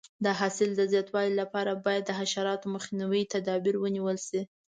د حاصل د زیاتوالي لپاره باید د حشراتو مخنیوي تدابیر ونیول شي.